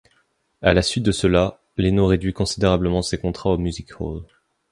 À la suite de cela, Leno réduit considérablement ses contrats au music-hall.